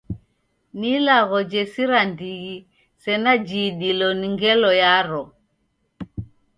Ni ilagho jesira ndighi sena jiidilo ni ngelo yaro.